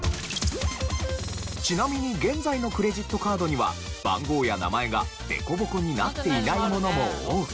ちなみに現在のクレジットカードには番号や名前が凸凹になっていないものも多く。